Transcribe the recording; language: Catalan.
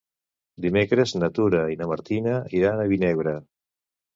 Dimecres na Tura i na Martina iran a Vinebre.